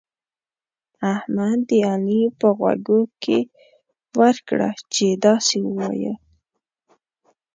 احمد د علي په غوږو کې ورکړه چې داسې ووايه.